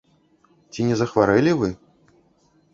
Ці не захварэлі вы?